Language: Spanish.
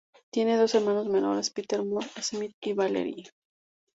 Tiene dos hermanos menores, Peter Moore Smith y Valerie.